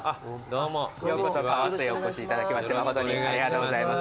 ようこそカワスイへお越しいただきまして誠にありがとうございます。